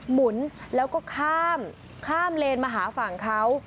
หมุนแล้วก็ข้ามข้ามเลนมาหาฝั่งเขา